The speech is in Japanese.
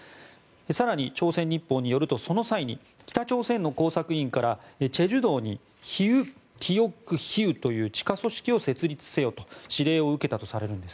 更に朝鮮日報によるとその際に北朝鮮の工作員から済州道にヒウッ・キヨック・ヒウッという地下組織を設立せよと指令を受けたとされるんです。